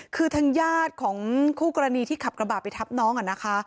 คือทางญาติของคู่กรณีที่ขับกระบาดไปทับน้องนะคะ